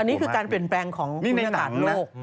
อันนี้คือการเปลี่ยนแปลงของในศาสตร์โลก